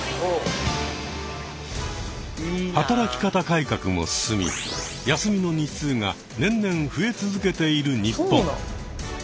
働き方改革も進み休みの日数が年々増え続けている日本。